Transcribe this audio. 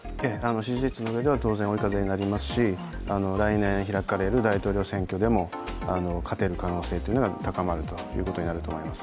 支持率のうえでは当然追い風になりますし、来年開かれる大統領選挙でも勝てる可能性が高まるということになると思います。